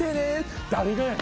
誰がやねん。